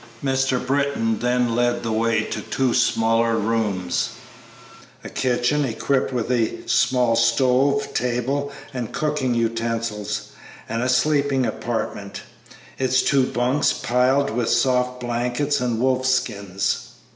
Mr. Britton then led the way to two smaller rooms, a kitchen, equipped with a small stove, table, and cooking utensils, and a sleeping apartment, its two bunks piled with soft blankets and wolf skins.